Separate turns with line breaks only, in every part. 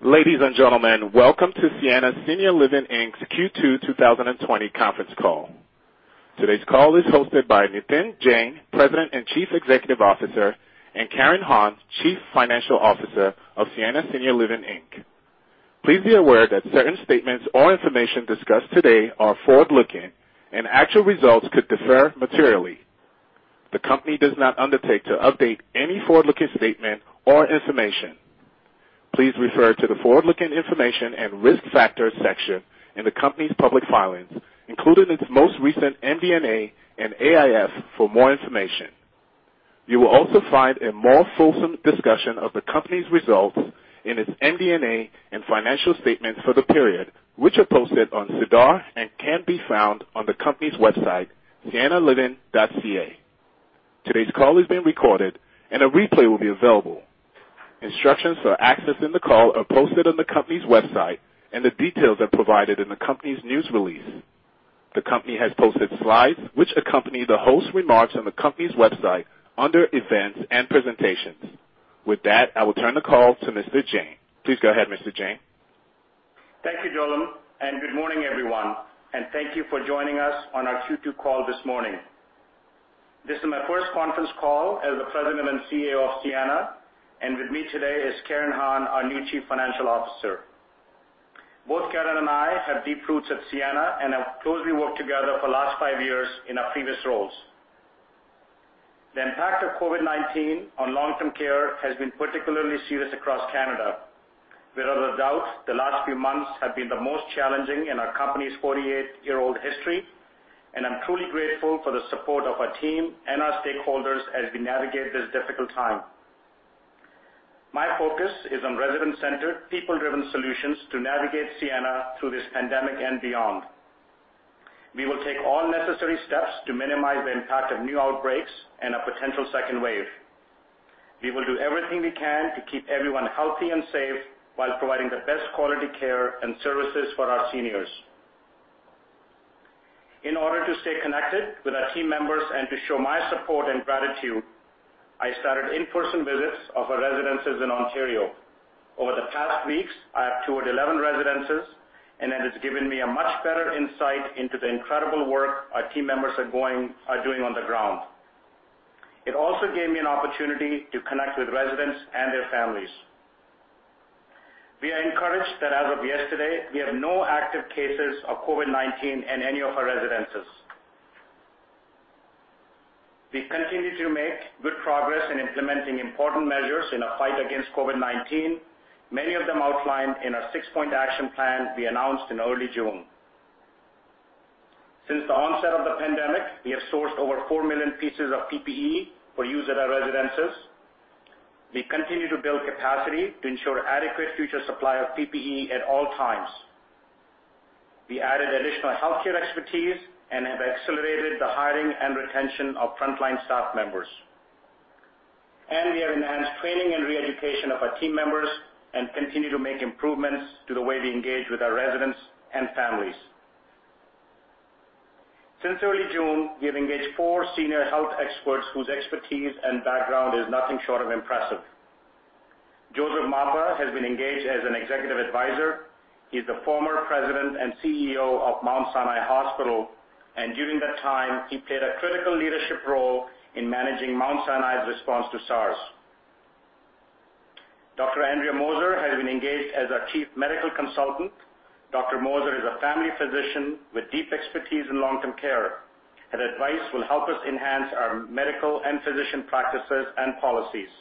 Ladies and gentlemen, welcome to Sienna Senior Living Inc.'s Q2 2020 conference call. Today's call is hosted by Nitin Jain, President and Chief Executive Officer, and Karen Hon, Chief Financial Officer of Sienna Senior Living Inc. Please be aware that certain statements or information discussed today are forward-looking, and actual results could differ materially. The company does not undertake to update any forward-looking statement or information. Please refer to the forward-looking information and risk factors section in the company's public filings, including its most recent MD&A and AIF for more information. You will also find a more fulsome discussion of the company's results in its MD&A and financial statements for the period, which are posted on SEDAR and can be found on the company's website, siennaliving.ca. Today's call is being recorded, and a replay will be available. Instructions for accessing the call are posted on the company's website, and the details are provided in the company's news release. The company has posted slides which accompany the host remarks on the company's website under Events and Presentations. With that, I will turn the call to Mr. Jain. Please go ahead, Mr. Jain.
Thank you, Joel, and good morning, everyone, and thank you for joining us on our Q2 call this morning. This is my first conference call as the President and Chief Executive Officer of Sienna. With me today is Karen Hon, our new Chief Financial Officer. Both Karen and I have deep roots at Sienna and have closely worked together for the last five years in our previous roles. The impact of COVID-19 on long-term care has been particularly serious across Canada. Without a doubt, the last few months have been the most challenging in our company's 48-year-old history, and I'm truly grateful for the support of our team and our stakeholders as we navigate this difficult time. My focus is on resident-centered, people-driven solutions to navigate Sienna through this pandemic and beyond. We will take all necessary steps to minimize the impact of new outbreaks and a potential second wave. We will do everything we can to keep everyone healthy and safe while providing the best quality care and services for our seniors. In order to stay connected with our team members and to show my support and gratitude, I started in-person visits of our residences in Ontario. Over the past weeks, I have toured 11 residences, and it has given me a much better insight into the incredible work our team members are doing on the ground. It also gave me an opportunity to connect with residents and their families. We are encouraged that as of yesterday, we have no active cases of COVID-19 in any of our residences. We've continued to make good progress in implementing important measures in our fight against COVID-19, many of them outlined in our six-point action plan we announced in early June. Since the onset of the pandemic, we have sourced over 4 million pieces of PPE for use at our residences. We continue to build capacity to ensure adequate future supply of PPE at all times. We added additional healthcare expertise and have accelerated the hiring and retention of frontline staff members. We have enhanced training and re-education of our team members and continue to make improvements to the way we engage with our residents and families. Since early June, we have engaged four senior health experts whose expertise and background is nothing short of impressive. Joseph Mapa has been engaged as an Executive Advisor. He's the former President and Chief Executive Officer of Mount Sinai Hospital, and during that time, he played a critical leadership role in managing Mount Sinai's response to SARS. Dr. Andrea Moser has been engaged as our Chief Medical Consultant. Dr. Moser is a family physician with deep expertise in long-term care. Her advice will help us enhance our medical and physician practices and policies.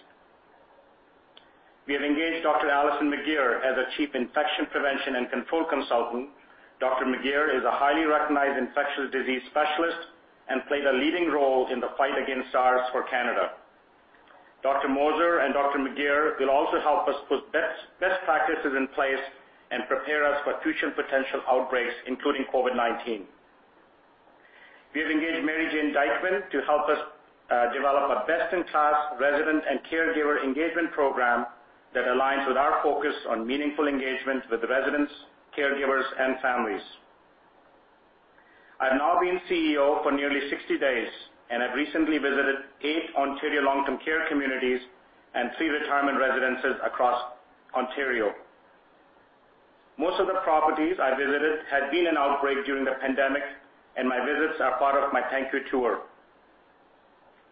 We have engaged Dr. Allison McGeer as our Chief Infection Prevention and Control Consultant. Dr. McGeer is a highly recognized infectious disease specialist and played a leading role in the fight against SARS for Canada. Dr. Moser and Dr. McGeer will also help us put best practices in place and prepare us for future potential outbreaks, including COVID-19. We have engaged Joanne Dykeman to help us develop a best-in-class resident and caregiver engagement program that aligns with our focus on meaningful engagement with residents, caregivers, and families. I've now been Chief Executive Officer for nearly 60 days, and I've recently visited eight Ontario long-term care communities and three retirement residences across Ontario. Most of the properties I visited had been in outbreak during the pandemic, and my visits are part of my Thank You tour.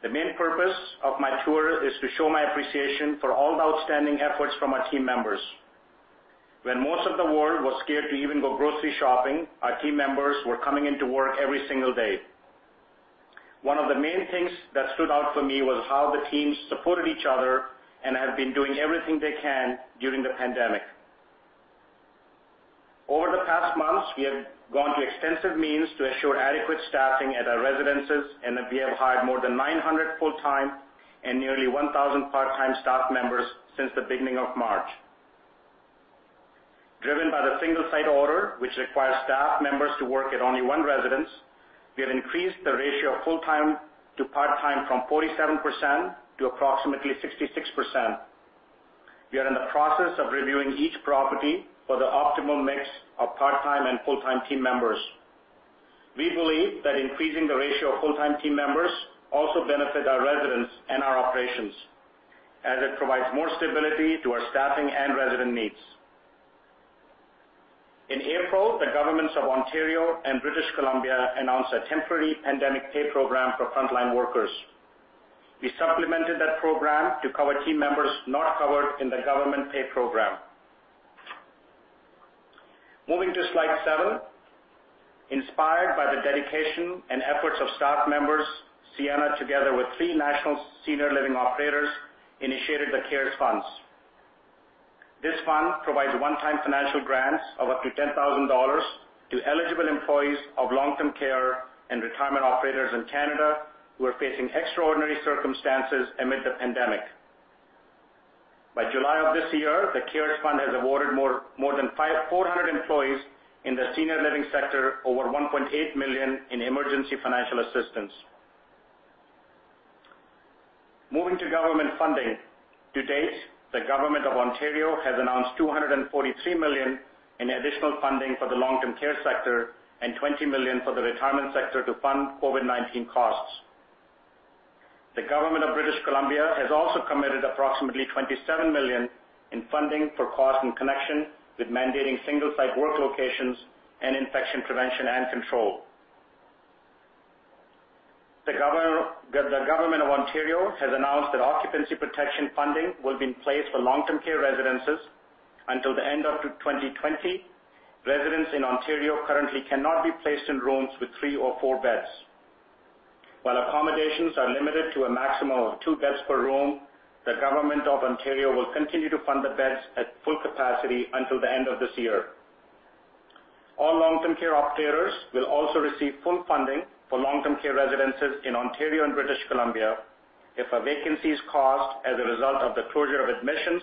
The main purpose of my tour is to show my appreciation for all the outstanding efforts from our team members. When most of the world was scared to even go grocery shopping, our team members were coming into work every single day. One of the main things that stood out for me was how the teams supported each other and have been doing everything they can during the pandemic. Over the past months, we have gone to extensive means to ensure adequate staffing at our residences, and we have hired more than 900 full-time and nearly 1,000 part-time staff members since the beginning of March. Driven by the single site order, which requires staff members to work at only one residence, we have increased the ratio of full-time to part-time from 47% to approximately 66%. We are in the process of reviewing each property for the optimal mix of part-time and full-time team members. We believe that increasing the ratio of full-time team members also benefit our residents and our operations, as it provides more stability to our staffing and resident needs. In April, the governments of Ontario and British Columbia announced a temporary pandemic pay program for frontline workers. We supplemented that program to cover team members not covered in the government pay program. Moving to slide seven. Inspired by the dedication and efforts of staff members, Sienna, together with three national senior living operators, initiated the CaRES funds. This fund provides one-time financial grants of up to 10,000 dollars to eligible employees of long-term care and retirement operators in Canada who are facing extraordinary circumstances amid the pandemic. By July of this year, the CaRES Fund has awarded more than 400 employees in the senior living sector over 1.8 million in emergency financial assistance. Moving to government funding. To date, the government of Ontario has announced 243 million in additional funding for the long-term care sector and 20 million for the retirement sector to fund COVID-19 costs. The government of British Columbia has also committed approximately 27 million in funding for costs in connection with mandating single-site work locations and infection prevention and control. The government of Ontario has announced that occupancy protection funding will be in place for long-term care residences until the end of 2020. Residents in Ontario currently cannot be placed in rooms with three or four beds. While accommodations are limited to a maximum of two beds per room, the government of Ontario will continue to fund the beds at full capacity until the end of this year. All long-term care operators will also receive full funding for long-term care residences in Ontario and British Columbia if a vacancy is caused as a result of the closure of admissions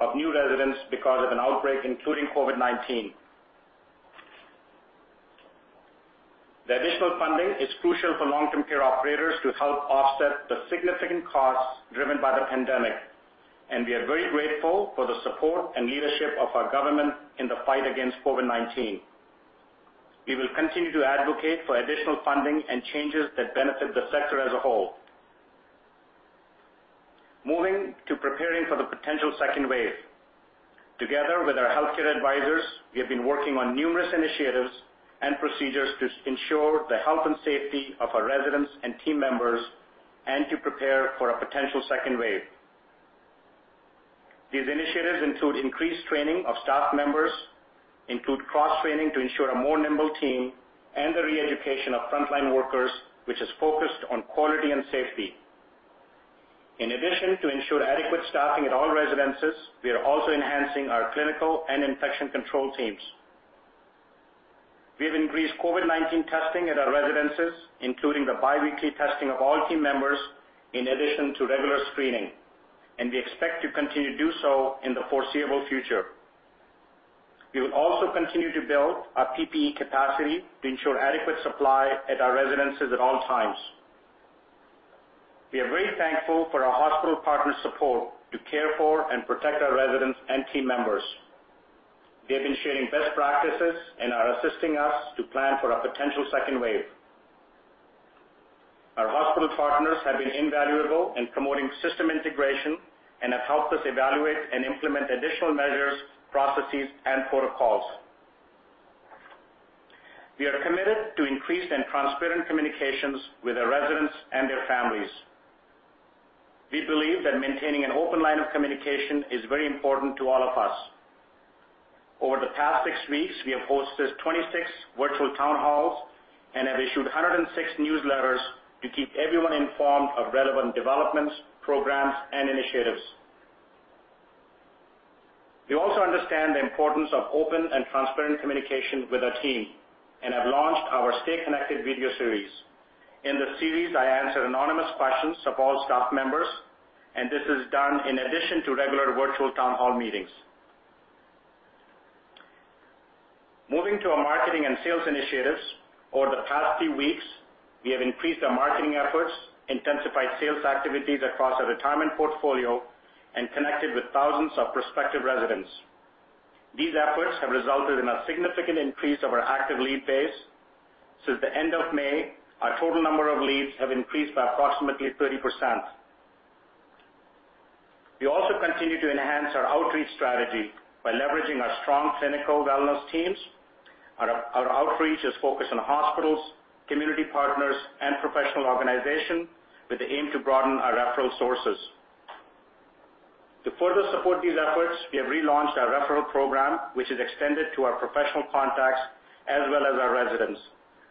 of new residents because of an outbreak, including COVID-19. The additional funding is crucial for long-term care operators to help offset the significant costs driven by the pandemic, and we are very grateful for the support and leadership of our government in the fight against COVID-19. We will continue to advocate for additional funding and changes that benefit the sector as a whole. Moving to preparing for the potential second wave. Together with our healthcare advisors, we have been working on numerous initiatives and procedures to ensure the health and safety of our residents and team members, and to prepare for a potential second wave. These initiatives include increased training of staff members, include cross-training to ensure a more nimble team, and the re-education of frontline workers, which is focused on quality and safety. In addition, to ensure adequate staffing at all residences, we are also enhancing our clinical and infection control teams. We have increased COVID-19 testing at our residences, including the biweekly testing of all team members in addition to regular screening, and we expect to continue to do so in the foreseeable future. We will also continue to build our PPE capacity to ensure adequate supply at our residences at all times. We are very thankful for our hospital partners' support to care for and protect our residents and team members. They have been sharing best practices and are assisting us to plan for a potential second wave. Our hospital partners have been invaluable in promoting system integration and have helped us evaluate and implement additional measures, processes, and protocols. We are committed to increased and transparent communications with our residents and their families. We believe that maintaining an open line of communication is very important to all of us. Over the past six weeks, we have hosted 26 virtual town halls and have issued 106 newsletters to keep everyone informed of relevant developments, programs, and initiatives. We also understand the importance of open and transparent communication with our team and have launched our Stay Connected video series. In the series, I answer anonymous questions of all staff members, and this is done in addition to regular virtual town hall meetings. Moving to our marketing and sales initiatives. Over the past few weeks, we have increased our marketing efforts, intensified sales activities across our retirement portfolio, and connected with thousands of prospective residents. These efforts have resulted in a significant increase of our active lead base. Since the end of May, our total number of leads have increased by approximately 30%. We also continue to enhance our outreach strategy by leveraging our strong clinical wellness teams. Our outreach is focused on hospitals, community partners, and professional organizations with the aim to broaden our referral sources. To further support these efforts, we have relaunched our referral program, which is extended to our professional contacts as well as our residents.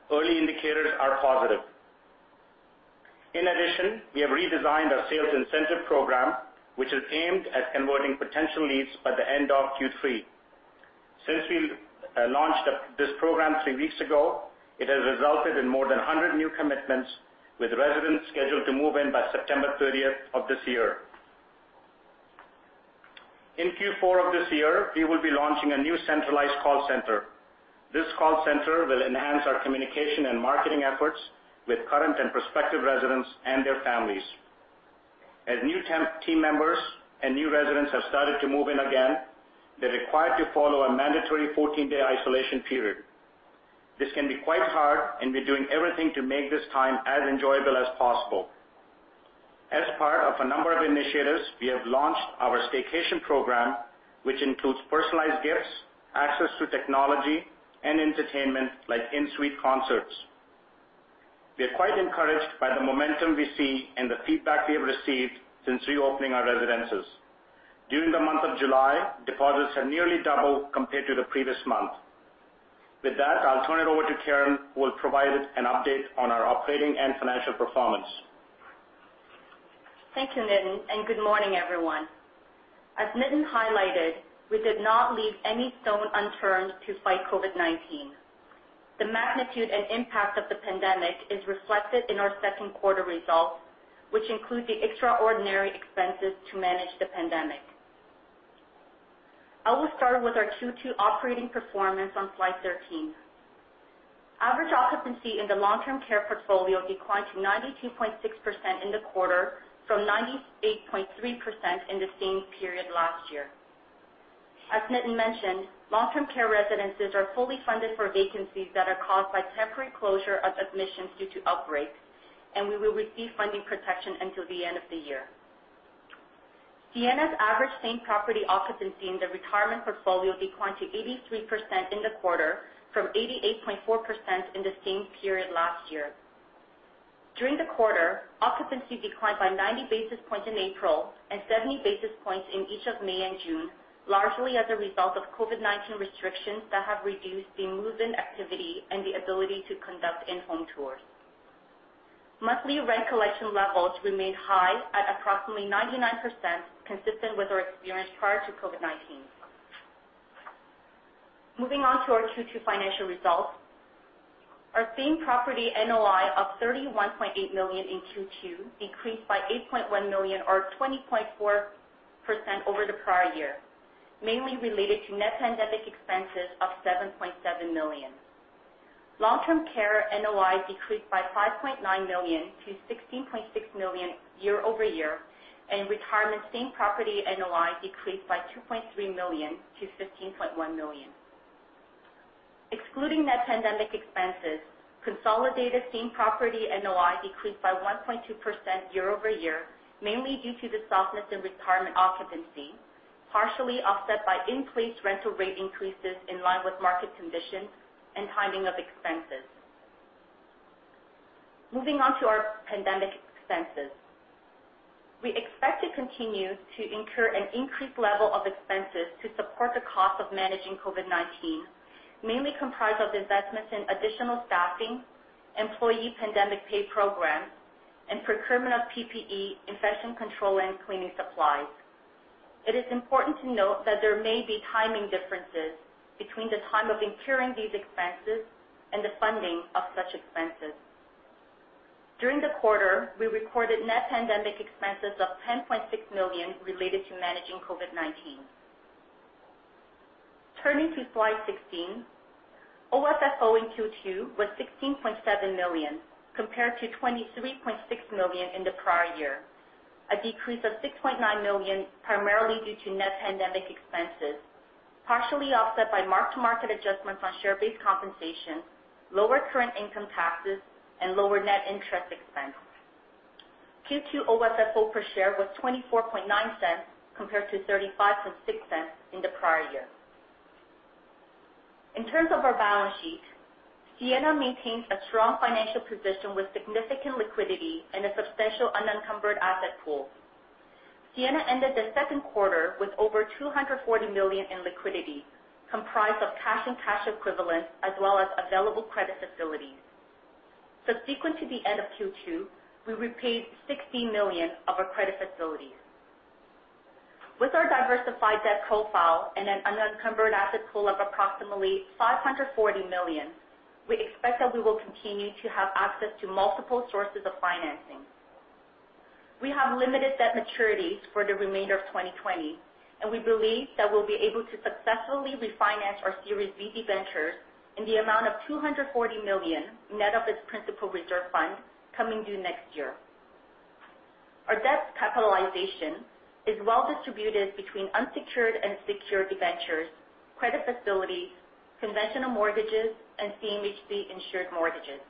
Early indicators are positive. In addition, we have redesigned our sales incentive program, which is aimed at converting potential leads by the end of Q3. Since we launched this program three weeks ago, it has resulted in more than 100 new commitments with residents scheduled to move in by September 30th of this year. In Q4 of this year, we will be launching a new centralized call center. This call center will enhance our communication and marketing efforts with current and prospective residents and their families. As new team members and new residents have started to move in again, they're required to follow a mandatory 14-day isolation period. This can be quite hard, and we're doing everything to make this time as enjoyable as possible. As part of a number of initiatives, we have launched our staycation program, which includes personalized gifts, access to technology, and entertainment, like in-suite concerts. We are quite encouraged by the momentum we see and the feedback we have received since reopening our residences. During the month of July, deposits have nearly doubled compared to the previous month. With that, I'll turn it over to Karen, who will provide an update on our operating and financial performance.
Thank you, Nitin, and good morning, everyone. As Nitin highlighted, we did not leave any stone unturned to fight COVID-19. The magnitude and impact of the pandemic is reflected in our second quarter results, which include the extraordinary expenses to manage the pandemic. I will start with our Q2 operating performance on slide 13. Average occupancy in the long-term care portfolio declined to 92.6% in the quarter, from 98.3% in the same period last year. As Nitin mentioned, long-term care residences are fully funded for vacancies that are caused by temporary closure of admissions due to outbreaks, and we will receive funding protection until the end of the year. Sienna's average same-property occupancy in the retirement portfolio declined to 83% in the quarter from 88.4% in the same period last year. During the quarter, occupancy declined by 90 basis points in April and 70 basis points in each of May and June, largely as a result of COVID-19 restrictions that have reduced the move-in activity and the ability to conduct in-home tours. Monthly rent collection levels remained high at approximately 99%, consistent with our experience prior to COVID-19. Moving on to our Q2 financial results. Our same-property NOI of 31.8 million in Q2 decreased by 8.1 million or 20.4% over the prior year, mainly related to net pandemic expenses of 7.7 million. Long-term care NOI decreased by 5.9 million to 16.6 million year-over-year. Retirement same-property NOI decreased by 2.3 million-15.1 million. Excluding net pandemic expenses, consolidated same-property NOI decreased by 1.2% year-over-year, mainly due to the softness in retirement occupancy, partially offset by in-place rental rate increases in line with market conditions and timing of expenses. Moving on to our pandemic expenses. We expect to continue to incur an increased level of expenses to support the cost of managing COVID-19, mainly comprised of investments in additional staffing, employee pandemic pay programs, and procurement of PPE, infection control, and cleaning supplies. It is important to note that there may be timing differences between the time of incurring these expenses and the funding of such expenses. During the quarter, we recorded net pandemic expenses of 10.6 million related to managing COVID-19. Turning to slide 16. OFFO in Q2 was 16.7 million compared to 23.6 million in the prior year, a decrease of 6.9 million primarily due to net pandemic expenses, partially offset by mark-to-market adjustments on share-based compensation, lower current income taxes, and lower net interest expense. Q2 OFFO per share was 0.249 compared to 0.356 in the prior year. In terms of our balance sheet, Sienna maintains a strong financial position with significant liquidity and a substantial unencumbered asset pool. Sienna ended the second quarter with over 240 million in liquidity, comprised of cash and cash equivalents, as well as available credit facilities. Subsequent to the end of Q2, we repaid 16 million of our credit facilities. With our diversified debt profile and an unencumbered asset pool of approximately 540 million, we expect that we will continue to have access to multiple sources of financing. We have limited debt maturities for the remainder of 2020, and we believe that we'll be able to successfully refinance our Series B debentures in the amount of 240 million net of its principal reserve fund coming due next year. Our debt capitalization is well distributed between unsecured and secured debentures, credit facilities, conventional mortgages, and CMHC-insured mortgages.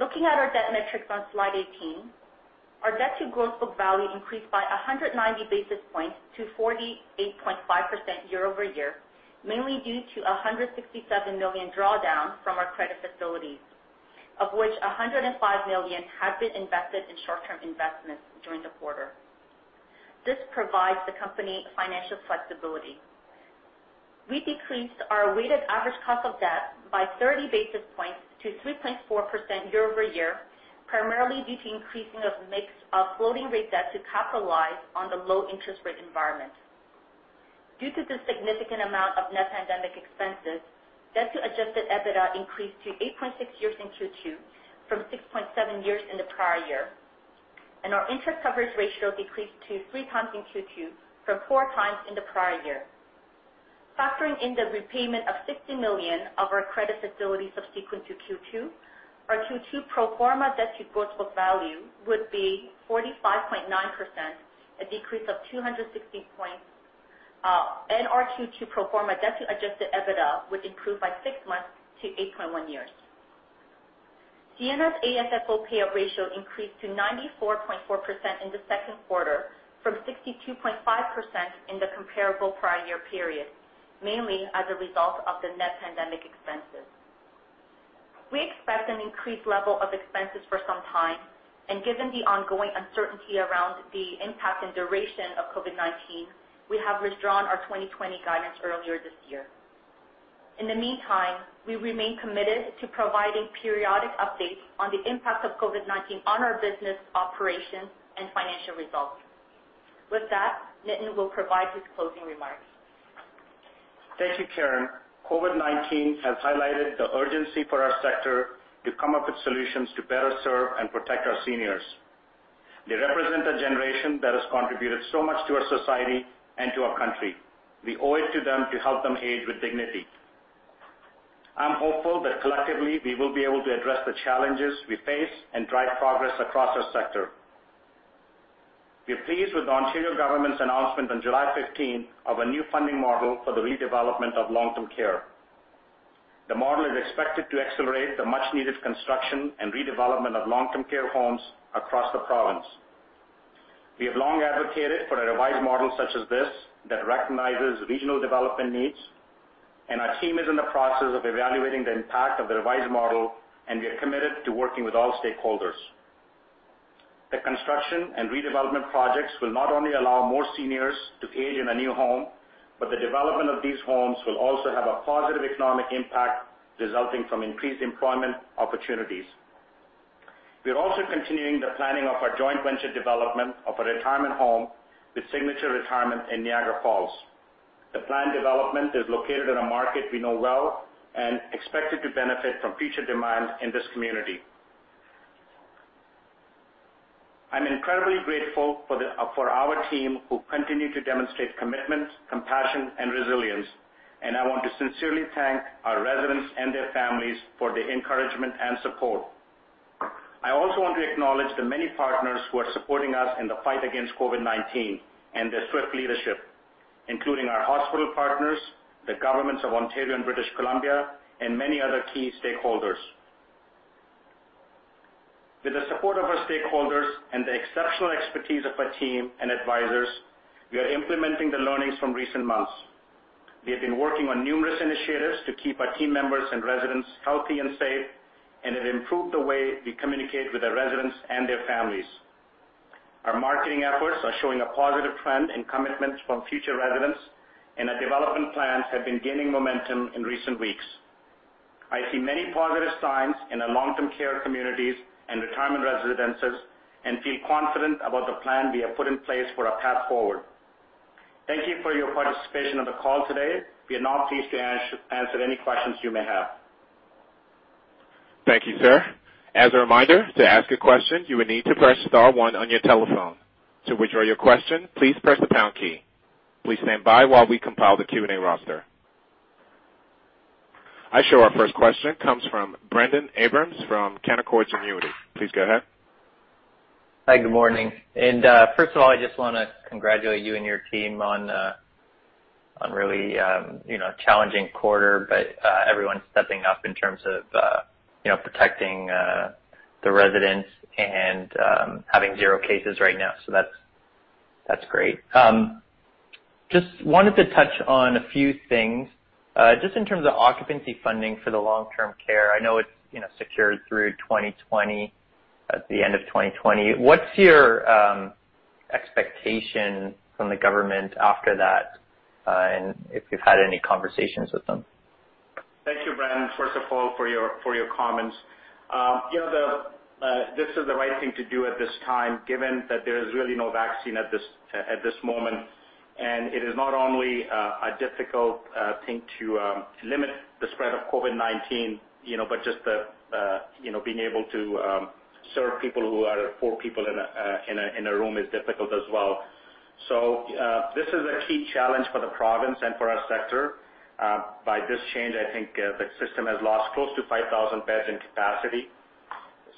Looking at our debt metrics on slide 18, our debt to gross book value increased by 190 basis points to 48.5% year-over-year, mainly due to 167 million drawdown from our credit facilities, of which 105 million have been invested in short-term investments during the quarter. This provides the company financial flexibility. We decreased our weighted average cost of debt by 30 basis points to 3.4% year-over-year, primarily due to increasing of mix of floating rate debt to capitalize on the low interest rate environment. Due to the significant amount of net pandemic expenses, debt to adjusted EBITDA increased to eight point six years in Q2 from six point seven years in the prior year. Our interest coverage ratio decreased to 3x in Q2 from 4x in the prior year. Factoring in the repayment of 50 million of our credit facility subsequent to Q2, our Q2 pro forma debt-to-gross book value would be 45.9%, a decrease of 260 points. Our Q2 pro forma debt to adjusted EBITDA would improve by six months to 8.1 years. Sienna's AFFO payout ratio increased to 94.4% in the second quarter from 62.5% in the comparable prior year period, mainly as a result of the net pandemic expenses. We expect an increased level of expenses for some time. Given the ongoing uncertainty around the impact and duration of COVID-19, we have withdrawn our 2020 guidance earlier this year. In the meantime, we remain committed to providing periodic updates on the impact of COVID-19 on our business operations and financial results. With that, Nitin will provide his closing remarks.
Thank you, Karen. COVID-19 has highlighted the urgency for our sector to come up with solutions to better serve and protect our seniors. They represent a generation that has contributed so much to our society and to our country. We owe it to them to help them age with dignity. I'm hopeful that collectively, we will be able to address the challenges we face and drive progress across our sector. We are pleased with the Ontario government's announcement on July 15 of a new funding model for the redevelopment of long-term care. The model is expected to accelerate the much-needed construction and redevelopment of long-term care homes across the province. We have long advocated for a revised model such as this that recognizes regional development needs, and our team is in the process of evaluating the impact of the revised model, and we are committed to working with all stakeholders. The construction and redevelopment projects will not only allow more seniors to age in a new home, but the development of these homes will also have a positive economic impact resulting from increased employment opportunities. We are also continuing the planning of our joint venture development of a retirement home with Signature Retirement in Niagara Falls. The planned development is located in a market we know well and expected to benefit from future demand in this community. I'm incredibly grateful for our team, who continue to demonstrate commitment, compassion, and resilience, and I want to sincerely thank our residents and their families for their encouragement and support. I also want to acknowledge the many partners who are supporting us in the fight against COVID-19 and their swift leadership, including our hospital partners, the governments of Ontario and British Columbia, and many other key stakeholders. With the support of our stakeholders and the exceptional expertise of our team and advisors, we are implementing the learnings from recent months. We have been working on numerous initiatives to keep our team members and residents healthy and safe, and it improved the way we communicate with our residents and their families. Our marketing efforts are showing a positive trend in commitments from future residents, and our development plans have been gaining momentum in recent weeks. I see many positive signs in our long-term care communities and retirement residences and feel confident about the plan we have put in place for our path forward. Thank you for your participation on the call today. We are now pleased to answer any questions you may have.
Thank you, sir. As a reminder, to ask a question, you would need to press star one on your telephone. To withdraw your question, please press the pound key. Please stand by while we compile the Q&A roster. I show our first question comes from Brendon Abrams from Canaccord Genuity. Please go ahead.
Hi, good morning. First of all, I just want to congratulate you and your team on a really challenging quarter, but everyone's stepping up in terms of protecting the residents and having zero cases right now. That's great. Just wanted to touch on a few things. Just in terms of occupancy funding for the long-term care, I know it's secured through the end of 2020. What's your expectation from the government after that, and if you've had any conversations with them?
Thank you Brendon, first of all, for your comments. This is the right thing to do at this time, given that there is really no vaccine at this moment. It is not only a difficult thing to limit the spread of COVID-19, but just being able to serve people who are four people in a room is difficult as well. This is a key challenge for the province and for our sector. By this change, I think, the system has lost close to 5,000 beds in capacity.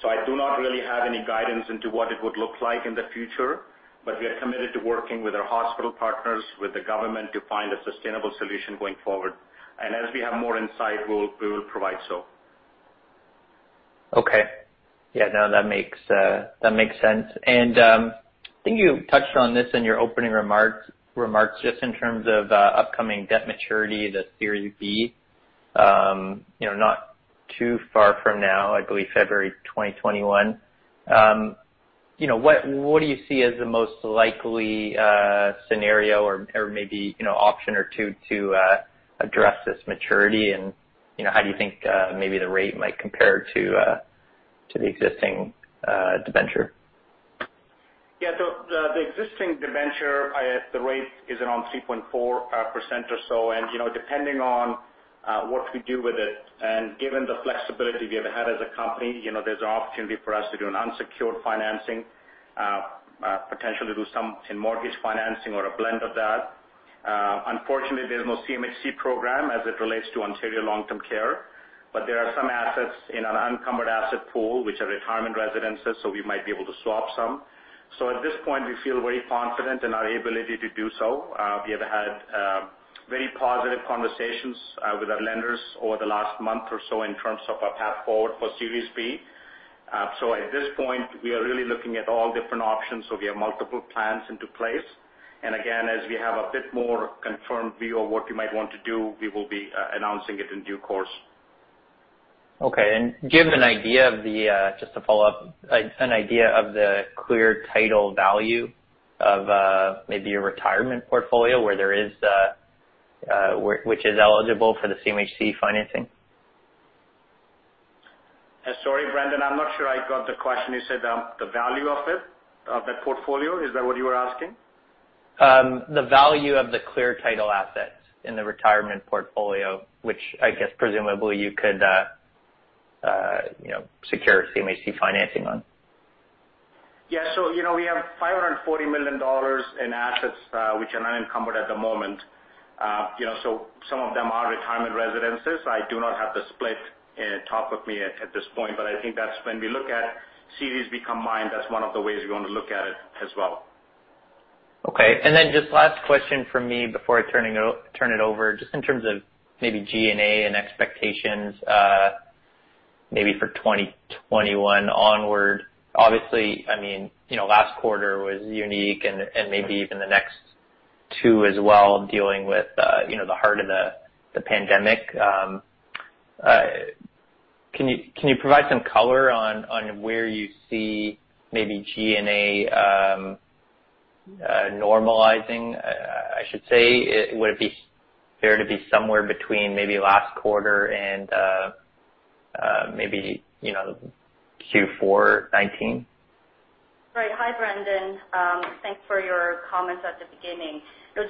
I do not really have any guidance into what it would look like in the future, but we are committed to working with our hospital partners, with the government to find a sustainable solution going forward. As we have more insight, we will provide so.
Okay. Yeah, that makes sense. I think you touched on this in your opening remarks, just in terms of upcoming debt maturity, the Series B. Not too far from now, I believe February 2021. What do you see as the most likely scenario or maybe option or two to address this maturity, and how do you think maybe the rate might compare to the existing debenture?
Yeah. The existing debenture, the rate is around 3.4% or so. Depending on what we do with it and given the flexibility we have had as a company, there's an opportunity for us to do an unsecured financing. Potentially do some in mortgage financing or a blend of that. Unfortunately, there's no CMHC program as it relates to Ontario long-term care, but there are some assets in an unencumbered asset pool which are retirement residences, so we might be able to swap some. At this point, we feel very confident in our ability to do so. We have had very positive conversations with our lenders over the last month or so in terms of a path forward for Series B. At this point, we are really looking at all different options. We have multiple plans into place. Again, as we have a bit more confirmed view of what we might want to do, we will be announcing it in due course.
Okay. Do you have an idea, just to follow up, an idea of the clear title value of maybe your retirement portfolio, which is eligible for the CMHC financing?
Sorry, Brendon, I'm not sure I got the question. You said the value of it, of the portfolio. Is that what you were asking?
The value of the clear title assets in the retirement portfolio, which I guess presumably you could secure CMHC financing on.
We have 540 million dollars in assets, which are unencumbered at the moment. Some of them are retirement residences. I do not have the split on top of me at this point. I think that's when we look at Series B combined, that's one of the ways we want to look at it as well.
Okay. Just last question from me before I turn it over, just in terms of maybe G&A and expectations, maybe for 2021 onward. Obviously, last quarter was unique and maybe even the next two as well, dealing with the heart of the pandemic. Can you provide some color on where you see maybe G&A normalizing I should say? Would it be fair to be somewhere between maybe last quarter and maybe Q4 2019?
Right. Hi, Brendon. Thanks for your comments at the beginning.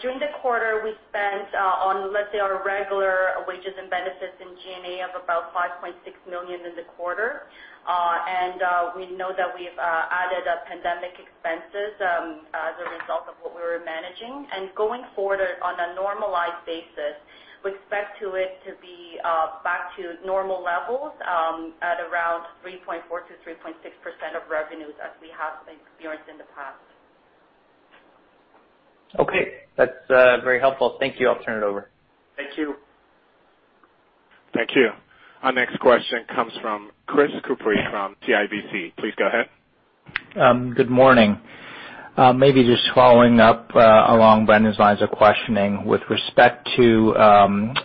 During the quarter, we spent on let's say, on regular wages and benefits in G&A of about 5.6 million in the quarter. We know that we've added pandemic expenses, as a result of what we were managing. Going forward, on a normalized basis, we expect it to be back to normal levels, at around 3.4%-3.6% of revenues as we have experienced in the past.
Okay. That's very helpful. Thank you. I'll turn it over.
Thank you.
Thank you. Our next question comes from Chris Couprie from CIBC. Please go ahead.
Good morning. Maybe just following up, along Brendon's lines of questioning with respect to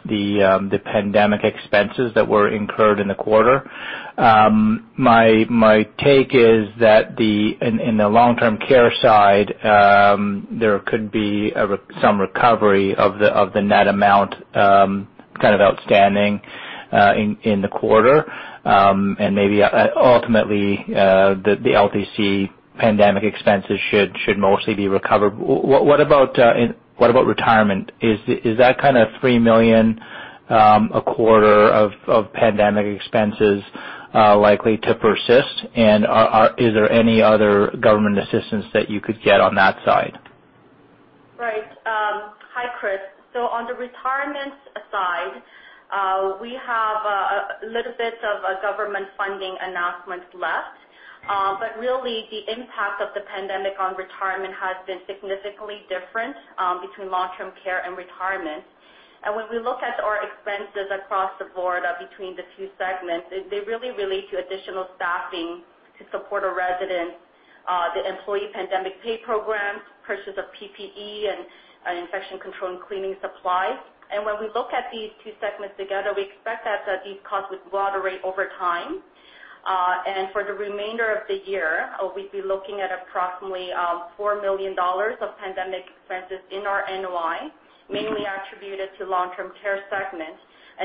the pandemic expenses that were incurred in the quarter. My take is that in the long-term care side, there could be some recovery of the net amount, kind of outstanding, in the quarter. Maybe, ultimately, the LTC pandemic expenses should mostly be recovered. What about retirement? Is that kind of 3 million, a quarter of pandemic expenses likely to persist? Is there any other government assistance that you could get on that side?
Right. Hi, Chris. On the retirement side, we have a little bit of government funding announcements left. Really, the impact of the pandemic on retirement has been significantly different between long-term care and retirement. When we look at our expenses across the board between the two segments, they really relate to additional staffing to support our residents, the employee pandemic pay programs, purchase of PPE and infection control and cleaning supplies. When we look at these two segments together, we expect that these costs would moderate over time. For the remainder of the year, we'd be looking at approximately 4 million dollars of pandemic expenses in our NOI, mainly attributed to long-term care segment.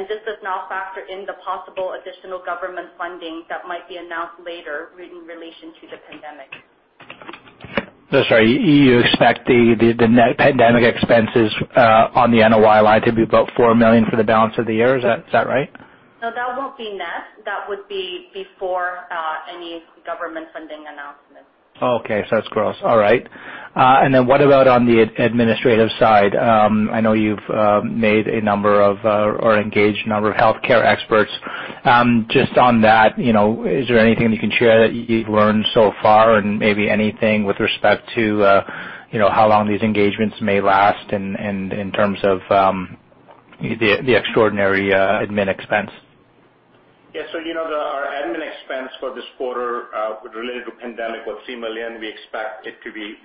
This does not factor in the possible additional government funding that might be announced later in relation to the pandemic.
Sorry, you expect the net pandemic expenses on the NOI line to be about 4 million for the balance of the year. Is that right?
No, that won't be net. That would be before any government funding announcement.
Okay. That's gross. All right. What about on the administrative side? I know you've made a number of, or engaged a number of healthcare experts. Just on that, is there anything you can share that you've learned so far and maybe anything with respect to how long these engagements may last and in terms of the extraordinary admin expense?
Our admin expense for this quarter, related to pandemic, was 3 million. We expect it to be,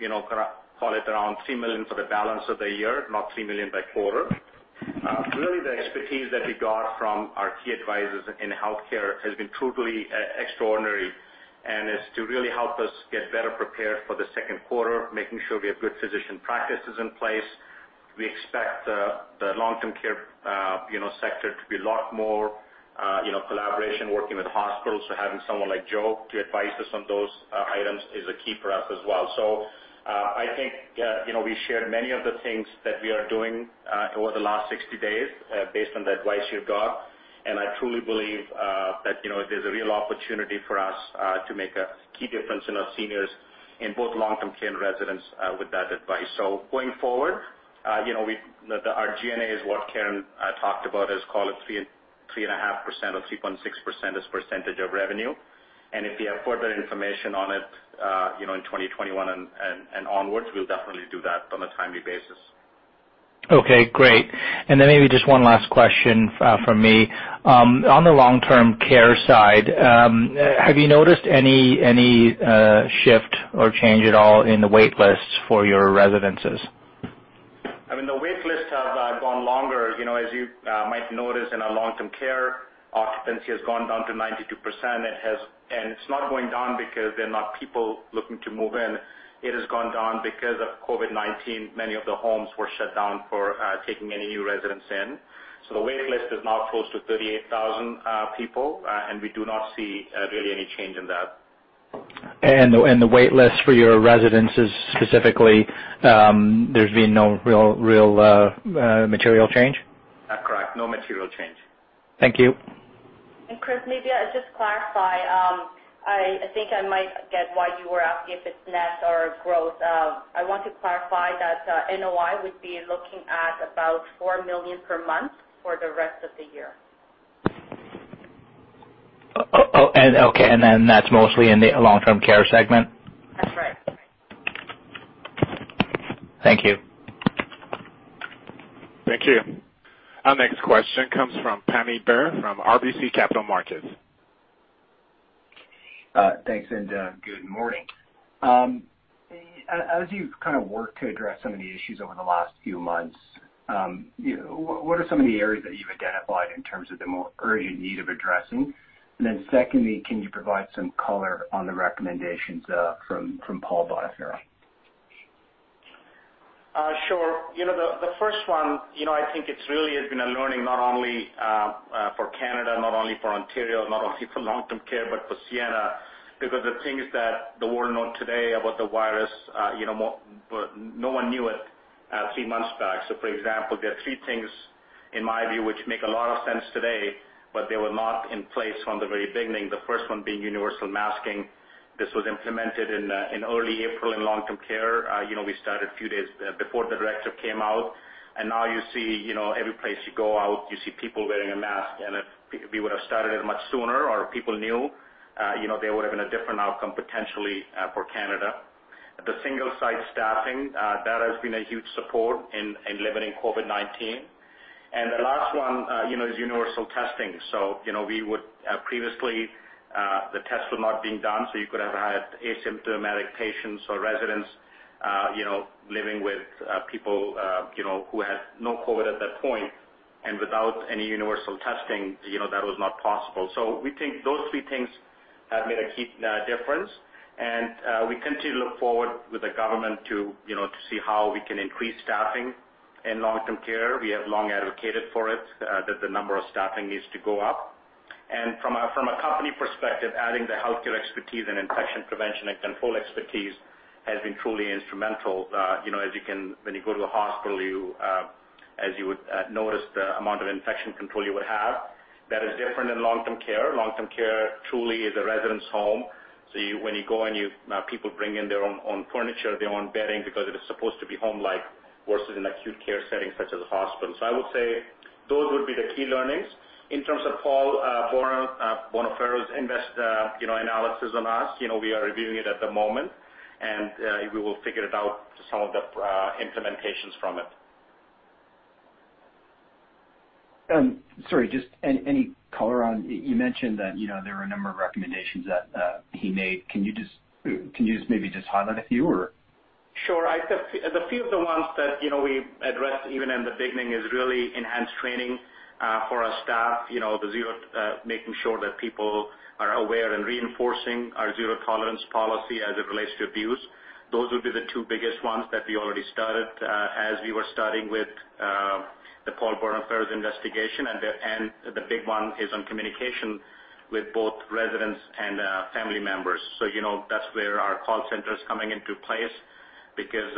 call it around 3 million for the balance of the year, not 3 million by quarter. The expertise that we got from our key advisors in healthcare has been truly extraordinary, and is to really help us get better prepared for the second quarter, making sure we have good physician practices in place. We expect the long-term care sector to be a lot more collaboration, working with hospitals. Having someone like Joe to advise us on those items is a key for us as well. I think we shared many of the things that we are doing over the last 60 days, based on the advice we've got. I truly believe that there's a real opportunity for us to make a key difference in our seniors in both long-term care and residents with that advice. Going forward, our G&A is what Karen talked about, call it 3.5% or 3.6% as percentage of revenue. If we have further information on it, in 2021 and onwards, we'll definitely do that on a timely basis.
Okay, great. Maybe just one last question from me. On the long-term care side, have you noticed any shift or change at all in the wait lists for your residences?
The wait lists have gone longer. As you might notice in our long-term care, occupancy has gone down to 92%. It's not going down because there are not people looking to move in. It has gone down because of COVID-19. Many of the homes were shut down for taking any new residents in. The wait list is now close to 38,000 people, and we do not see really any change in that.
The wait list for your residences specifically, there's been no real material change?
Correct. No material change.
Thank you.
Chris, maybe I'll just clarify. I think I might get why you were asking if it's net or growth. I want to clarify that NOI would be looking at about 4 million per month for the rest of the year.
Oh, okay. That's mostly in the long-term care segment?
That's right.
Thank you.
Thank you. Our next question comes from Pammi Bir from RBC Capital Markets.
Thanks, good morning. As you've worked to address some of the issues over the last few months, what are some of the areas that you've identified in terms of the more urgent need of addressing? Secondly, can you provide some color on the recommendations from Paul Boniferro?
Sure. The first one, I think it really has been a learning not only for Canada, not only for Ontario, not only for long-term care, but for Sienna, because the things that the world know today about the virus, no one knew it three months back. For example, there are three things in my view, which make a lot of sense today, but they were not in place from the very beginning. The first one being universal masking. This was implemented in early April in long-term care. We started a few days before the directive came out. Now you see, every place you go out, you see people wearing a mask. If we would've started it much sooner or people knew, there would've been a different outcome potentially for Canada. The single site staffing, that has been a huge support in limiting COVID-19. The last one, is universal testing. Previously, the test was not being done, so you could have had asymptomatic patients or residents living with people who had no COVID-19 at that point. Without any universal testing, that was not possible. We think those three things have made a key difference. We continue to look forward with the government to see how we can increase staffing in long-term care. We have long advocated for it, that the number of staffing needs to go up. From a company perspective, adding the healthcare expertise and infection prevention and control expertise has been truly instrumental. When you go to a hospital, as you would notice the amount of infection control you would have. That is different in long-term care. Long-term care truly is a residence home. When you go and people bring in their own furniture, their own bedding, because it is supposed to be home-like versus an acute care setting such as a hospital. I would say those would be the key learnings. In terms of Paul Boniferro's analysis on us, we are reviewing it at the moment, and we will figure it out to some of the implementations from it.
Sorry, just any color on, you mentioned that there are a number of recommendations that he made. Can you maybe just highlight a few or?
Sure. A few of the ones that we addressed even in the beginning is really enhanced training for our staff. Making sure that people are aware and reinforcing our zero tolerance policy as it relates to abuse. Those would be the two biggest ones that we already started, as we were starting with the Paul Boniferro investigation. The big one is on communication with both residents and family members. That's where our call center's coming into place because,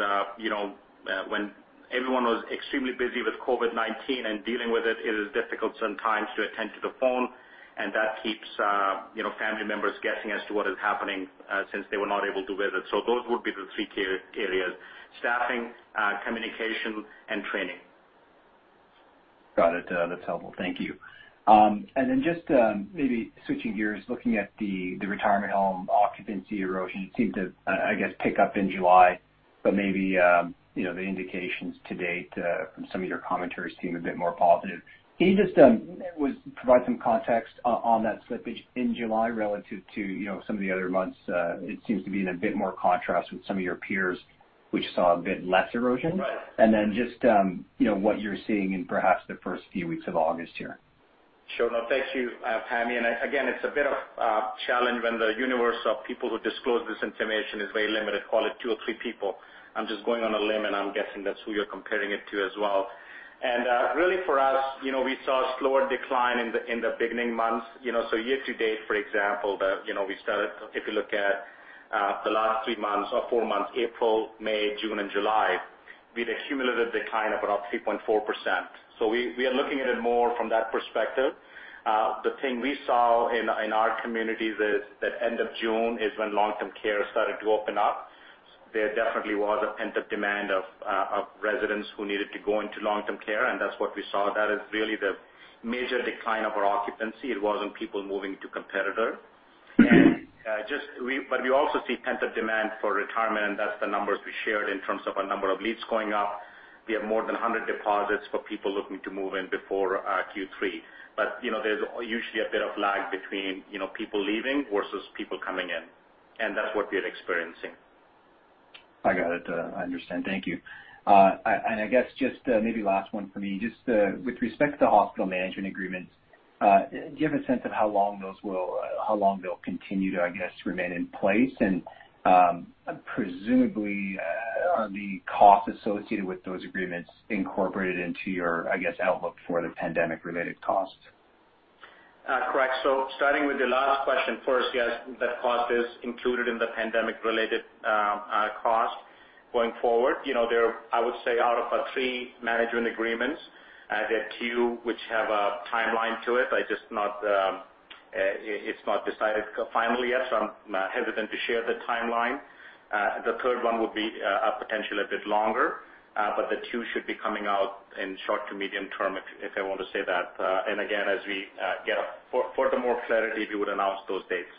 when everyone was extremely busy with COVID-19 and dealing with it is difficult sometimes to attend to the phone. That keeps family members guessing as to what is happening, since they were not able to visit. Those would be the three key areas, staffing, communication, and training.
Got it. That's helpful. Thank you. Just maybe switching gears, looking at the retirement home occupancy erosion, it seemed to, I guess, pick up in July, but maybe the indications to date, from some of your commentaries seem a bit more positive. Can you just provide some context on that slippage in July relative to some of the other months? It seems to be in a bit more contrast with some of your peers, which saw a bit less erosion, just what you're seeing in perhaps the first few weeks of August here.
Sure. No, thank you, Pammi. Again, it's a bit of a challenge when the universe of people who disclose this information is very limited. Call it two or three people. I'm just going on a limb, and I'm guessing that's who you're comparing it to as well. Really for us, we saw a slower decline in the beginning months. Year-to-date, for example, if you look at the last three months or four months, April, May, June, and July, we had a cumulative decline of about 3.4%. We are looking at it more from that perspective. The thing we saw in our communities is that end of June is when long-term care started to open up. There definitely was a pent-up demand of residents who needed to go into long-term care, and that's what we saw. That is really the major decline of our occupancy. It wasn't people moving to competitor. We also see pent-up demand for retirement, and that's the numbers we shared in terms of our number of leads going up. We have more than 100 deposits for people looking to move in before Q3. There's usually a bit of lag between people leaving versus people coming in, and that's what we are experiencing.
I got it. I understand. Thank you. I guess just, maybe last one from me. Just with respect to hospital management agreements, do you have a sense of how long they'll continue to, I guess, remain in place? Presumably, are the costs associated with those agreements incorporated into your, I guess, outlook for the pandemic related costs?
Correct. Starting with the last question first, yes, that cost is included in the pandemic related cost going forward. I would say out of our three management agreements, there are two which have a timeline to it. It's not decided finally yet, so I'm hesitant to share the timeline. The third one would be potentially a bit longer, but the two should be coming out in short to medium term, if I want to say that. Again, as we get furthermore clarity, we would announce those dates.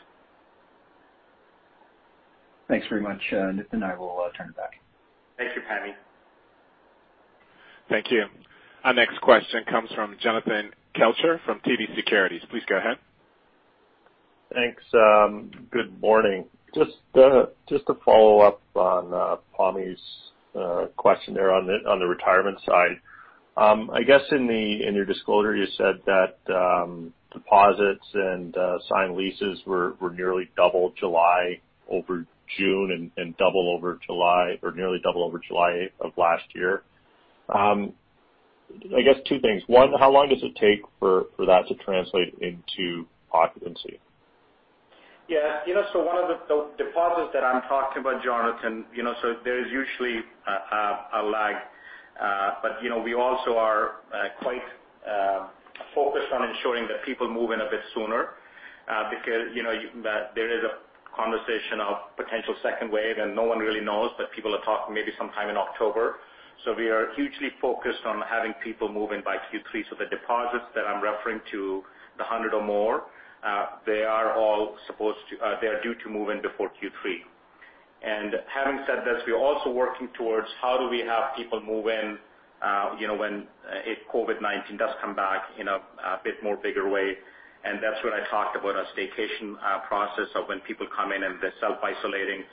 Thanks very much. I will turn it back.
Thank you, Pammi.
Thank you. Our next question comes from Jonathan Kelcher from TD Securities. Please go ahead.
Thanks. Good morning. Just to follow up on Pammi's question there on the retirement side. I guess in your disclosure, you said that deposits and signed leases were nearly double July over June and nearly double over July of last year. I guess two things. One, how long does it take for that to translate into occupancy?
Yeah. One of the deposits that I'm talking about, Jonathan, there is usually a lag. We also are quite focused on ensuring that people move in a bit sooner. There is a conversation of potential second wave, no one really knows, people are talking maybe sometime in October. We are hugely focused on having people move in by Q3. The deposits that I'm referring to, the 100 or more, they are due to move in before Q3. Having said this, we are also working towards how do we have people move in, if COVID-19 does come back in a bit more bigger way. That's when I talked about a staycation process of when people come in and they're self-isolating.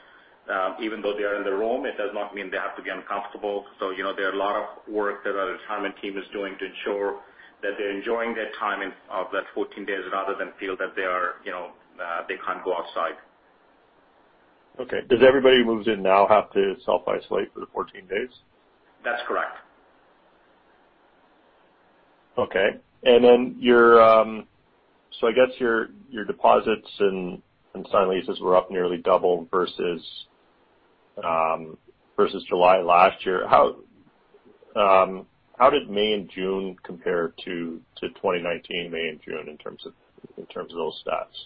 Even though they are in the room, it does not mean they have to be uncomfortable. There are a lot of work that our retirement team is doing to ensure that they're enjoying their time of that 14 days rather than feel that they can't go outside.
Okay. Does everybody who moves in now have to self-isolate for the 14 days?
That's correct.
Okay. I guess your deposits and signed leases were up nearly double versus July last year. How did May and June compare to 2019 May and June in terms of those stats?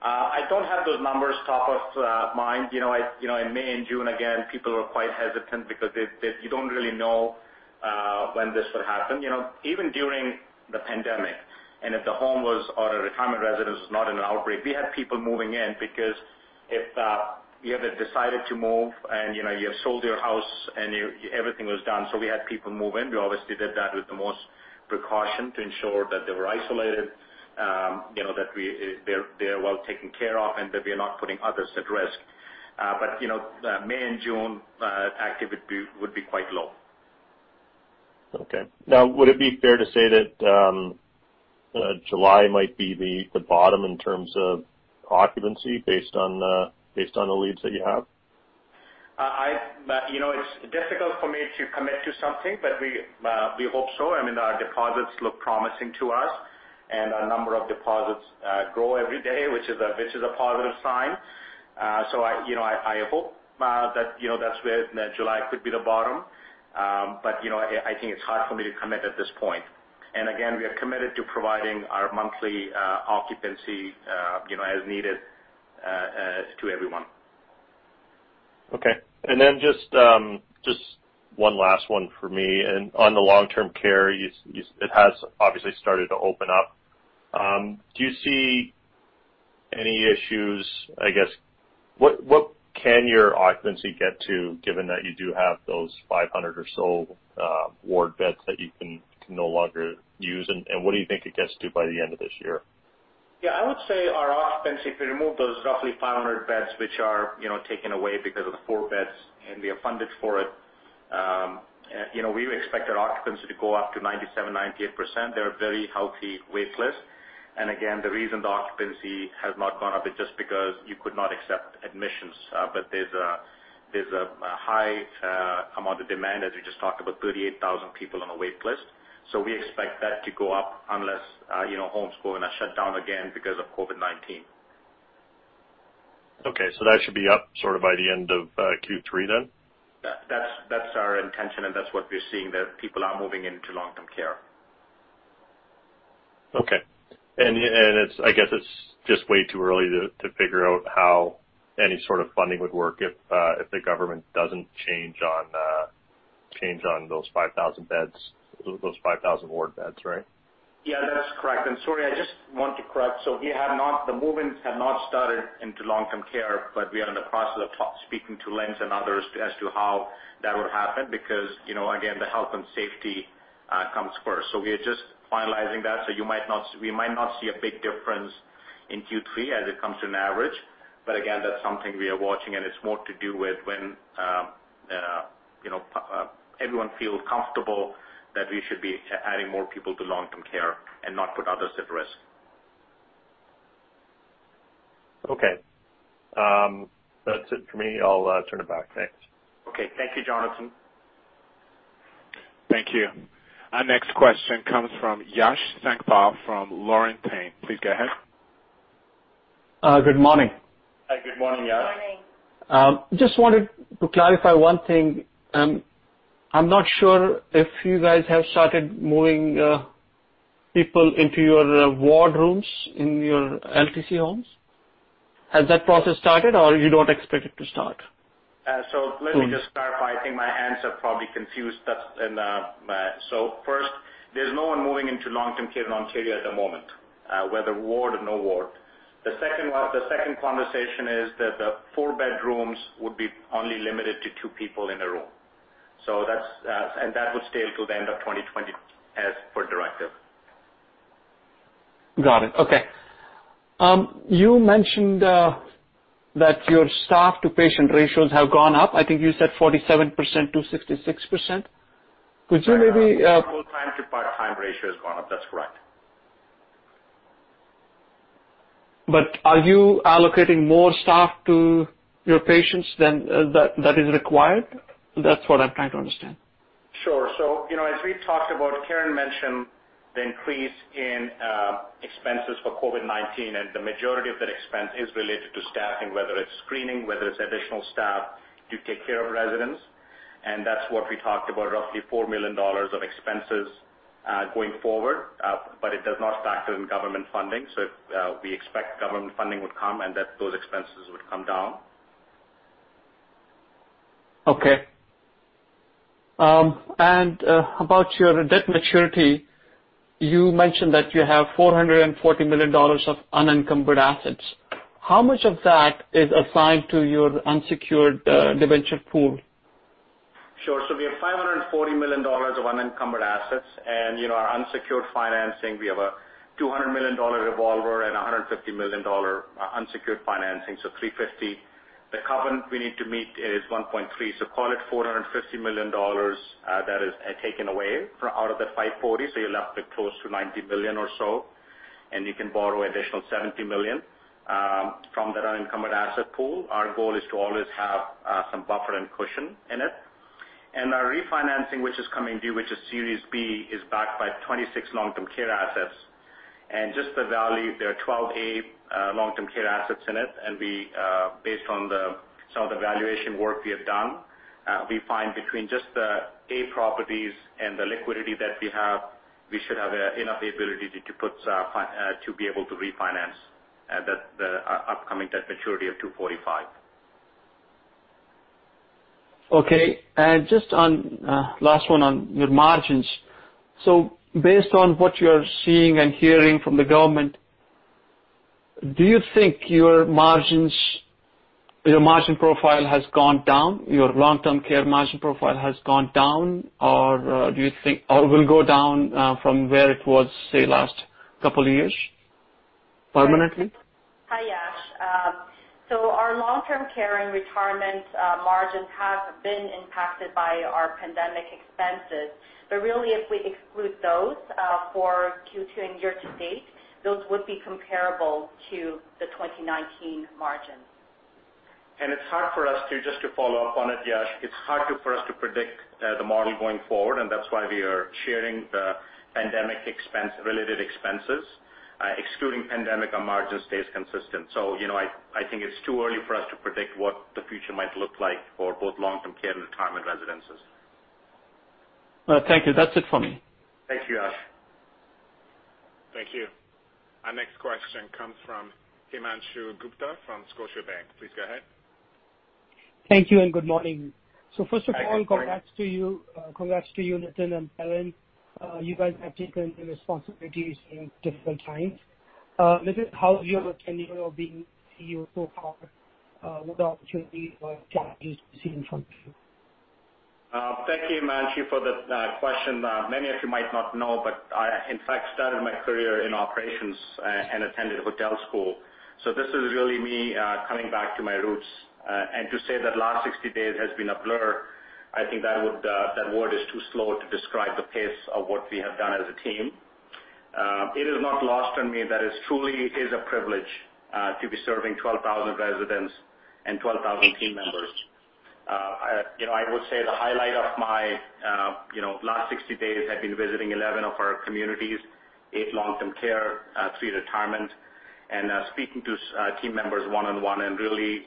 I don't have those numbers top of mind. In May and June, again, people were quite hesitant because you don't really know when this would happen. Even during the pandemic, if the home or a retirement residence was not in an outbreak, we had people moving in because if you have decided to move and you have sold your house and everything was done. We had people move in. We obviously did that with the most precaution to ensure that they were isolated, that they are well taken care of, and that we are not putting others at risk. May and June activity would be quite low.
Okay. Now, would it be fair to say that July might be the bottom in terms of occupancy based on the leads that you have?
It's difficult for me to commit to something, but we hope so. I mean, our deposits look promising to us, and our number of deposits grow every day, which is a positive sign. I hope that July could be the bottom. I think it's hard for me to commit at this point. Again, we are committed to providing our monthly occupancy as needed to everyone.
Okay. Just one last one for me. On the long-term care, it has obviously started to open up. Do you see any issues, I guess What can your occupancy get to given that you do have those 500 or so ward beds that you can no longer use, and what do you think it gets to by the end of this year?
Yeah. I would say our occupancy, if we remove those roughly 500 beds, which are taken away because of the four beds, and we are funded for it. We expect our occupancy to go up to 97%-98%. There are very healthy wait lists. Again, the reason the occupancy has not gone up is just because you could not accept admissions. There's a high amount of demand, as we just talked about 38,000 people on a wait list. We expect that to go up unless homes go in a shutdown again because of COVID-19.
Okay. That should be up sort of by the end of Q3 then?
That's our intention, and that's what we're seeing, that people are moving into long-term care.
Okay. I guess it's just way too early to figure out how any sort of funding would work if the government doesn't change on those 5,000 ward beds, right?
Yeah, that's correct. Sorry, I just want to correct. The movement have not started into long-term care, but we are in the process of speaking to LHINs and others as to how that would happen, because, again, the health and safety comes first. We are just finalizing that. We might not see a big difference in Q3 as it comes to an average. Again, that's something we are watching, and it's more to do with when everyone feels comfortable that we should be adding more people to long-term care and not put others at risk.
Okay. That's it for me. I'll turn it back. Thanks.
Okay. Thank you, Jonathan.
Thank you. Our next question comes from Yash Sankpal from Laurentian. Please go ahead.
Good morning.
Hi, good morning, Yash.
Good morning.
Just wanted to clarify one thing. I'm not sure if you guys have started moving people into your ward rooms in your LTC homes. Has that process started or you don't expect it to start?
Let me just clarify. I think my answer probably confused that. First, there's no one moving into long-term care in Ontario at the moment, whether ward or no ward. The second conversation is that the four-bed rooms would be only limited to two people in a room. That would stay till the end of 2020 as per directive.
Got it. Okay. You mentioned that your staff to patient ratios have gone up. I think you said 47%-66%. Could you maybe.
Full-time to part-time ratio has gone up. That's correct.
Are you allocating more staff to your patients than that is required? That's what I'm trying to understand.
As we talked about, Karen mentioned the increase in expenses for COVID-19, the majority of that expense is related to staffing, whether it's screening, whether it's additional staff to take care of residents. That's what we talked about, roughly 4 million dollars of expenses, going forward. It does not factor in government funding. We expect government funding would come and that those expenses would come down.
Okay. About your debt maturity, you mentioned that you have 440 million dollars of unencumbered assets. How much of that is assigned to your unsecured debenture pool?
Sure. We have 540 million dollars of unencumbered assets and our unsecured financing, we have a 200 million dollar revolver and 150 million dollar unsecured financing, 350 million. The covenant we need to meet is 1.3, call it 450 million dollars that is taken away out of the 540 million. You're left with close to 90 million or so, and you can borrow additional 70 million from that unencumbered asset pool. Our goal is to always have some buffer and cushion in it. Our refinancing, which is coming due, which is Series B, is backed by 26 long-term care assets. Just to value, there are 12 A long-term care assets in it, and based on some of the valuation work we have done, we find between just the A properties and the liquidity that we have, we should have enough ability to be able to refinance the upcoming debt maturity of 245.
Okay. Just last one on your margins. Based on what you're seeing and hearing from the government, do you think your margin profile has gone down, your long-term care margin profile has gone down, or will go down from where it was, say, last couple of years permanently?
Hi, Yash. Our long-term care and retirement margins have been impacted by our pandemic expenses. Really, if we exclude those for Q2 and year to date, those would be comparable to the 2019 margins.
It's hard for us to, just to follow up on it, Yash, it's hard for us to predict the model going forward, and that's why we are sharing the pandemic related expenses. Excluding pandemic, our margin stays consistent. I think it's too early for us to predict what the future might look like for both long-term care and retirement residences.
Thank you. That's it for me.
Thank you, Yash.
Thank you. Our next question comes from Himanshu Gupta from Scotiabank. Please go ahead.
Thank you and good morning.
Good morning.
First of all, congrats to you, Nitin and Karen. You guys have taken the responsibilities in difficult times. Nitin, how have you been attending or being Chief Executive Officer so far with the opportunities or challenges you see in front of you?
Thank you, Himanshu, for the question. Many of you might not know, I, in fact, started my career in operations and attended hotel school. This is really me coming back to my roots. To say that last 60 days has been a blur, I think that word is too slow to describe the pace of what we have done as a team. It is not lost on me that it truly is a privilege to be serving 12,000 residents and 12,000 team members. I would say the highlight of my last 60 days, I've been visiting 11 of our communities, eight long-term care, three retirement, and speaking to team members one-on-one and really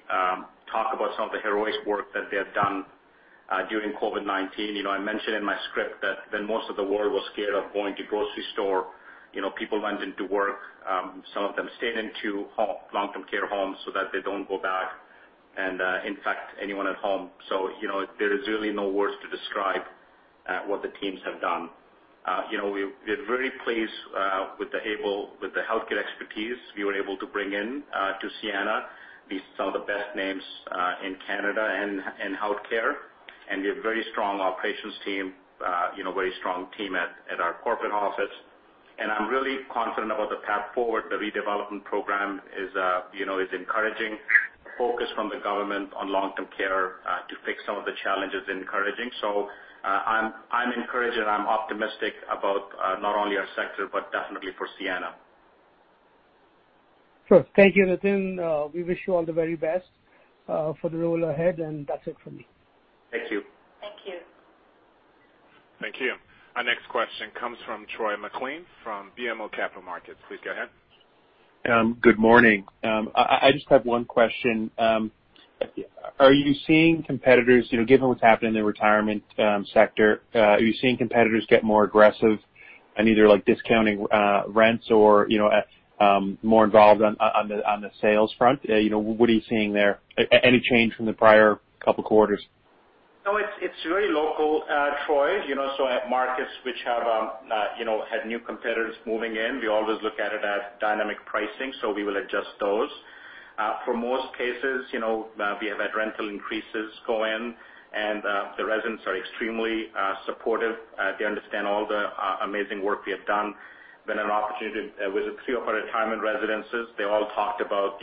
talk about some of the heroic work that they have done. During COVID-19, I mentioned in my script that when most of the world was scared of going to grocery store, people went into work. Some of them stayed into long-term care homes so that they don't go back and infect anyone at home. There is really no words to describe what the teams have done. We're very pleased with the healthcare expertise we were able to bring in to Sienna. These are some of the best names in Canada in healthcare. We have very strong operations team, very strong team at our corporate office. I'm really confident about the path forward. The redevelopment program is encouraging. Focus from the government on long-term care to fix some of the challenges encouraging. I'm encouraged and I'm optimistic about, not only our sector, but definitely for Sienna.
Sure. Thank you, Nitin. We wish you all the very best for the role ahead. That's it for me.
Thank you.
Thank you.
Thank you. Our next question comes from Troy MacLean from BMO Capital Markets. Please go ahead.
Good morning. I just have one question. Are you seeing competitors, given what's happening in the retirement sector, are you seeing competitors get more aggressive in either discounting rents or more involved on the sales front? What are you seeing there? Any change from the prior couple of quarters?
No, it's very local, Troy. At markets which have had new competitors moving in, we always look at it as dynamic pricing, so we will adjust those. For most cases, we have had rental increases go in, and the residents are extremely supportive. They understand all the amazing work we have done. Been an opportunity, visited three of our retirement residences. They all talked about,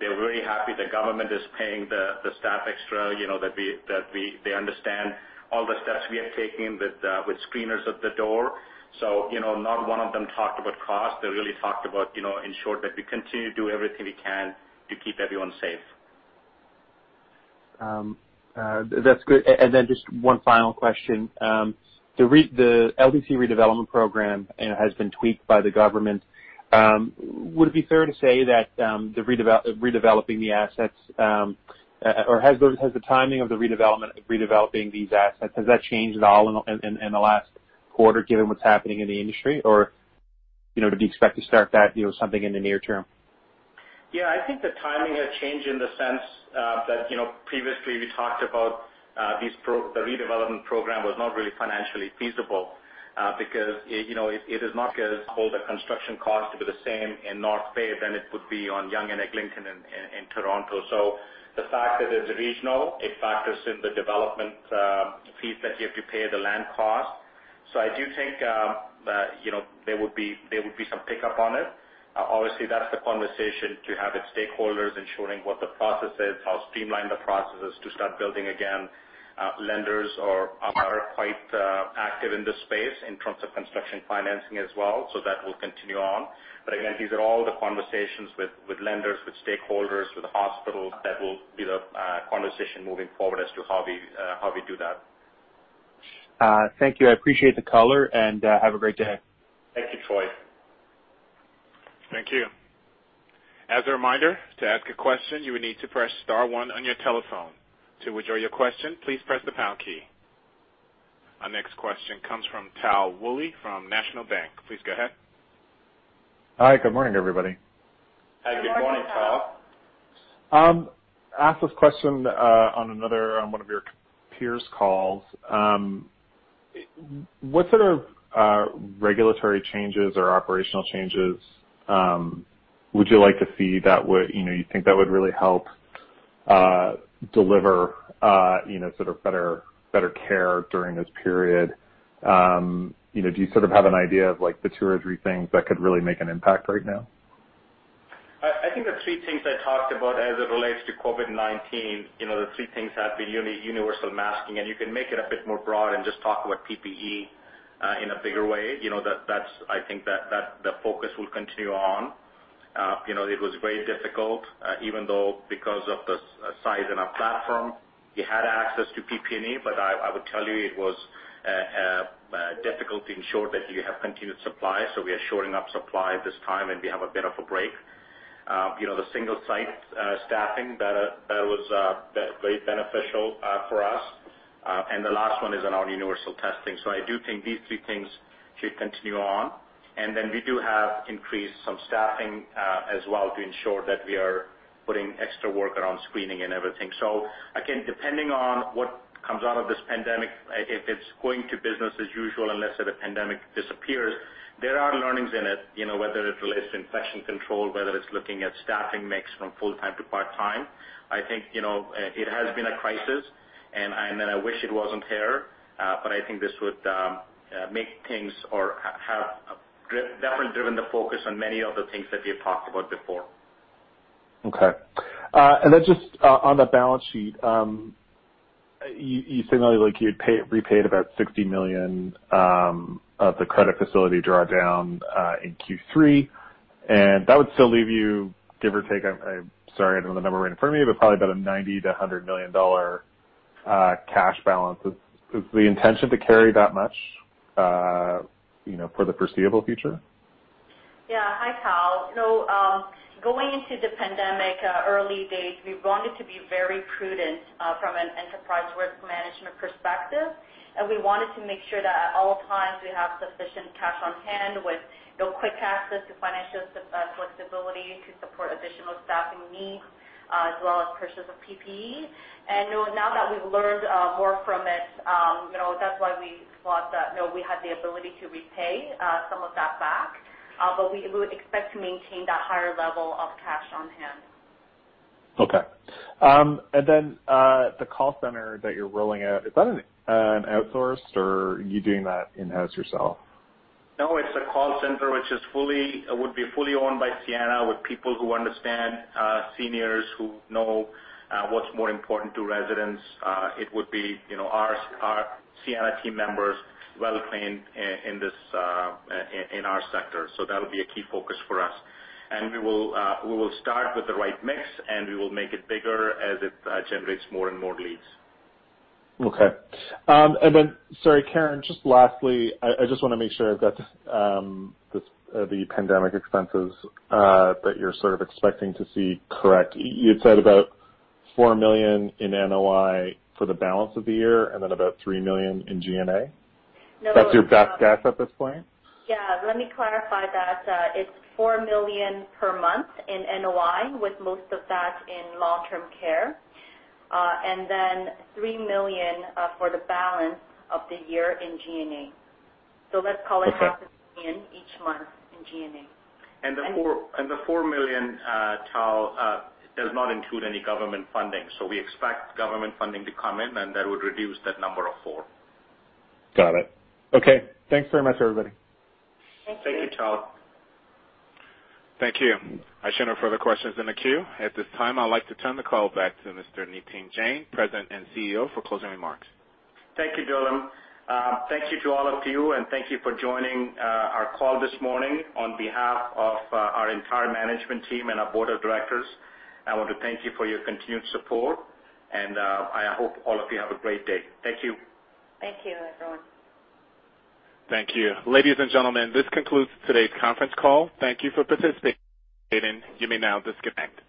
they're very happy the government is paying the staff extra. They understand all the steps we have taken with screeners at the door. Not one of them talked about cost. They really talked about ensuring that we continue to do everything we can to keep everyone safe.
That's good. Just one final question. The LTC redevelopment program has been tweaked by the government. Would it be fair to say that redeveloping the assets, or has the timing of redeveloping these assets, has that changed at all in the last quarter, given what's happening in the industry? Do we expect to start that something in the near term?
I think the timing has changed in the sense that previously we talked about the redevelopment program was not really financially feasible, because it does not hold a construction cost to be the same in North Bay than it would be on Yonge and Eglinton in Toronto. The fact that it's regional, it factors in the development fees that you have to pay, the land cost. I do think that there would be some pickup on it. Obviously, that's the conversation to have with stakeholders, ensuring what the process is, how streamlined the process is to start building again. Lenders are quite active in this space in terms of construction financing as well, so that will continue on. Again, these are all the conversations with lenders, with stakeholders, with the hospitals. That will be the conversation moving forward as to how we do that.
Thank you. I appreciate the color, and have a great day.
Thank you, Troy.
Thank you. Our next question comes from Tal Woolley from National Bank. Please go ahead.
Hi. Good morning, everybody.
Good morning, Tal.
Good morning.
I asked this question on one of your peers' calls. What sort of regulatory changes or operational changes would you like to see that you think that would really help deliver sort of better care during this period? Do you sort of have an idea of the two or three things that could really make an impact right now?
I think the three things I talked about as it relates to COVID-19, the three things have been universal masking, and you can make it a bit more broad and just talk about PPE, in a bigger way. I think that the focus will continue on. It was very difficult, even though, because of the size in our platform, we had access to PPE. I would tell you it was difficult to ensure that you have continued supply. We are shoring up supply at this time, and we have a bit of a break. The single site staffing, that was very beneficial for us. The last one is on our universal testing. I do think these three things should continue on. We do have increased some staffing, as well, to ensure that we are putting extra work around screening and everything. Again, depending on what comes out of this pandemic, if it's going to business as usual, unless the pandemic disappears, there are learnings in it. Whether it relates to infection control, whether it's looking at staffing mix from full-time to part-time. I think it has been a crisis and I wish it wasn't here. I think this would make things or have definitely driven the focus on many of the things that we have talked about before.
Okay. Just on the balance sheet. You signaled like you had repaid about 60 million of the credit facility drawdown in Q3, and that would still leave you, give or take, I'm sorry, I don't have the number right in front of me, but probably about a 90 million-100 million dollar cash balance. Is the intention to carry that much for the foreseeable future?
Yeah. Hi, Tal. Going into the pandemic early days, we wanted to be very prudent from an enterprise risk management perspective. We wanted to make sure that at all times we have sufficient cash on hand with real quick access to financial flexibility to support additional staffing needs, as well as purchase of PPE. Now that we've learned more from it, that's why we thought that we had the ability to repay some of that back. We would expect to maintain that higher level of cash on hand.
Okay. Then, the call center that you're rolling out, is that an outsourced or are you doing that in-house yourself?
It's a call center which would be fully owned by Sienna with people who understand seniors, who know what's more important to residents. It would be our Sienna team members well-trained in our sector. That'll be a key focus for us. We will start with the right mix, and we will make it bigger as it generates more and more leads.
Okay. Sorry Karen just lastly, I just want to make sure I’ve got the pandemic expenses that you’re sort of expecting to see correct. You had said about 4 million in NOI for the balance of the year, and then about 3 million in G&A?
No.
That's your best guess at this point?
Yeah. Let me clarify that. It's 4 million per month in NOI, with most of that in long-term care. 3 million for the balance of the year in G&A. Let's call it CAD 0.5 a million each month in G&A.
The 4 million, Tal, does not include any government funding. We expect government funding to come in, and that would reduce that number of 4 million.
Got it. Okay. Thanks very much, everybody.
Thank you.
Thank you, Tal.
Thank you. I show no further questions in the queue. At this time, I'd like to turn the call back to Mr. Nitin Jain, President and Chief Executive Officer, for closing remarks.
Thank you, Dylan. Thank you to all of you, and thank you for joining our call this morning. On behalf of our entire management team and our board of directors, I want to thank you for your continued support, and I hope all of you have a great day. Thank you.
Thank you, everyone.
Thank you. Ladies and gentlemen, this concludes today's conference call. Thank you for participating. You may now disconnect.